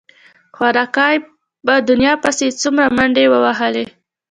خواركى په دنيا پسې يې څومره منډې ووهلې.